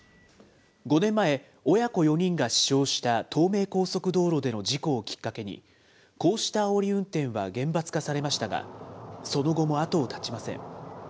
５年前、親子４人が死傷した東名高速道路での事故をきっかけに、こうしたあおり運転は厳罰化されましたが、その後も後を絶ちません。